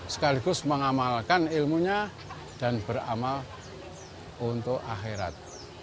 sekaligus mengamalkan ilmunya dan beramal untuk akhirat